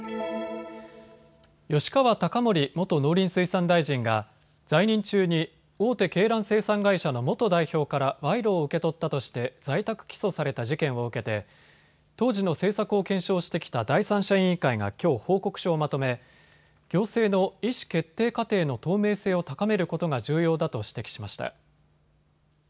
吉川貴盛元農林水産大臣が在任中に大手鶏卵生産会社の元代表から賄賂を受け取ったとして在宅起訴された事件を受けて当時の政策を検証してきた第三者委員会がきょう報告書をまとめ行政の意思決定過程の透明性を高めることが重要だと指摘しました。